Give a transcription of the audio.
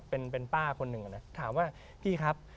เป็นป้าคนหนึ่งอะนะถามว่าพี่ครับ